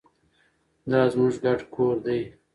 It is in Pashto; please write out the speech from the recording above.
دا زموږ ګډ کور دی.